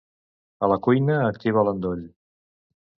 A la cuina, activa l'endoll.